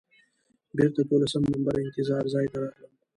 بېرته دولسم نمبر انتظار ځای ته راغلم.